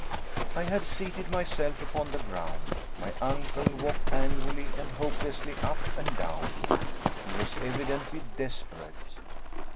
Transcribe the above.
I had seated myself upon the ground. My uncle walked angrily and hopelessly up and down. He was evidently desperate.